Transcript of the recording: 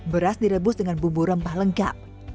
beras direbus dengan bumbu rempah lengkap